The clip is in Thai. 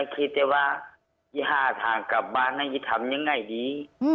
คิดว่าไอ้ห้าทางกลับบ้านนะซึ่งทำยังไงดี